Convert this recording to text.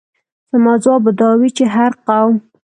زما ځواب به دا وي چې هر قوم.